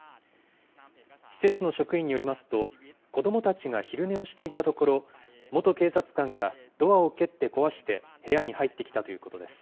施設の職員によりますと、子どもたちが昼寝をしていたところ、元警察官がドアを蹴って壊して部屋に入ってきたということです。